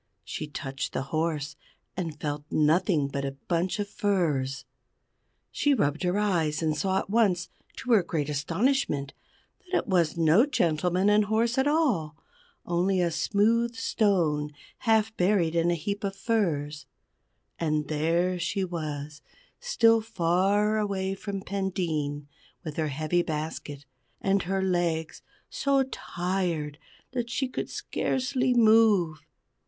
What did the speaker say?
She touched the horse, and felt nothing but a bunch of furze. She rubbed her eyes and saw at once, to her great astonishment, that it was no gentleman and horse at all, only a smooth stone half buried in a heap of furze. And there she was still far away from Pendeen, with her heavy basket, and her legs so tired that she could scarcely move.